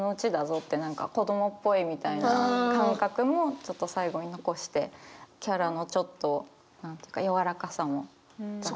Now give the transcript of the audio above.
って何か子供っぽいみたいな感覚もちょっと最後に残してキャラのちょっと柔らかさも出し。